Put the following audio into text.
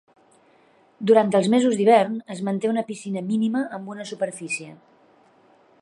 Durant els mesos d'hivern es manté una piscina mínima amb una superfície.